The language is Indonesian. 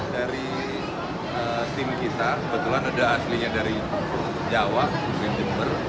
dari tim kita sebetulnya ada aslinya dari jawa jember